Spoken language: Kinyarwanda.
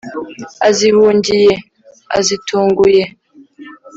azihungiye: azitunguye